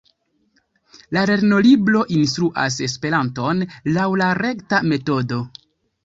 La lernolibro instruas Esperanton laŭ la rekta metodo.